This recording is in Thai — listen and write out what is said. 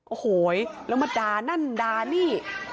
โอ้โหแล้วมาด่านั่นด่านี่